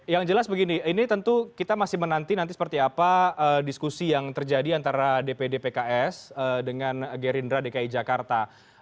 yang jelas begini ini tentu kita masih menanti nanti seperti apa diskusi yang terjadi antara dpd pks dengan gerindra dki jakarta